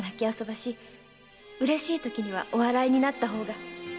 あそばしうれしいときにはお笑いになった方が〕